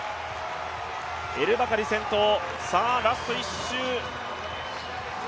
エルバカリ先頭、ラスト１周。